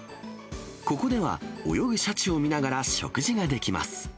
ここでは泳ぐシャチを見ながら食事ができます。